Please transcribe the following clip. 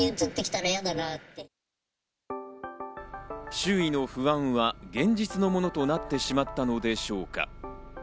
周囲の不安は現実のものとなってしまったのでしょうか。